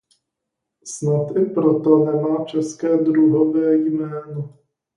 Snad i proto nemá české druhové jméno.